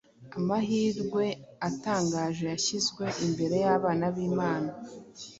amahirwe atangaje yashyizwe imbere y’abana b’Imana.